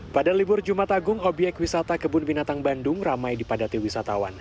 pada libur jumat agung obyek wisata kebun binatang bandung ramai dipadati wisatawan